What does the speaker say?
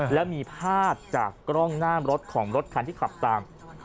แล้วมีภาพจากกล้องหน้ารถของรถคันที่ขับตาม